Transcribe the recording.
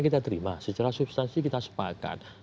kita terima secara substansi kita sepakat